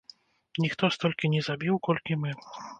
Ніхто столькі не забіў, колькі мы.